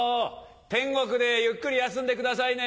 天国でゆっくり休んでくださいね。